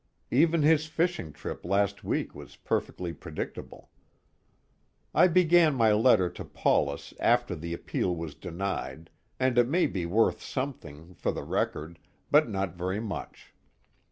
Even his fishing trip last week was perfectly predictable. I began my letter to Paulus after the appeal was denied, and it may be worth something, for the record, but not very much.